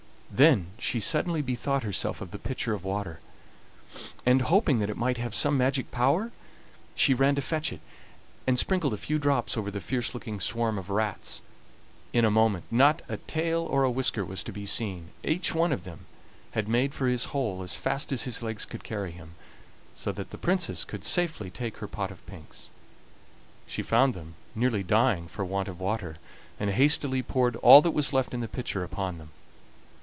Then she suddenly bethought herself of the pitcher of water, and, hoping that it might have some magic power, she ran to fetch it, and sprinkled a few drops over the fierce looking swarm of rats. In a moment not a tail or a whisker was to be seen. Each one had made for his hole as fast as his legs could carry him, so that the Princess could safely take her pot of pinks. She found them nearly dying for want of water, and hastily poured all that was left in the pitcher upon them.